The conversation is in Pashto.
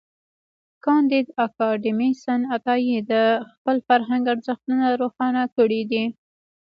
کانديد اکاډميسن عطايي د خپل فرهنګ ارزښتونه روښانه کړي دي.